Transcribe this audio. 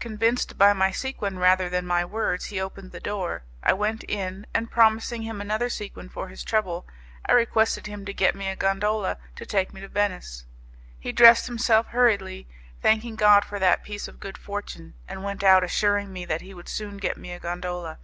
Convinced by my sequin rather than my words, he opened the door, I went in, and promising him another sequin for his trouble I requested him to get me a gondola to take me to Venice. He dressed himself hurriedly, thanking God for that piece of good fortune, and went out assuring me that he would soon get me a gondola.